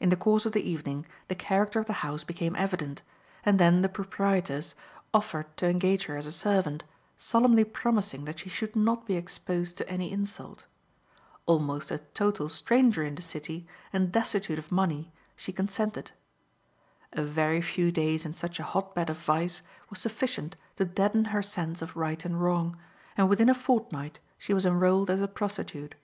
In the course of the evening the character of the house became evident, and then the proprietress offered to engage her as a servant, solemnly promising that she should not be exposed to any insult. Almost a total stranger in the city, and destitute of money, she consented. A very few days in such a hot bed of vice was sufficient to deaden her sense of right and wrong, and within a fortnight she was enrolled as a prostitute.